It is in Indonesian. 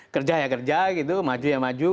kerja ya kerja gitu maju ya maju